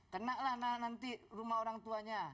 kenalah nanti rumah orang tuanya